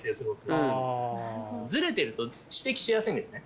あ。ずれてると指摘しやすいんですね。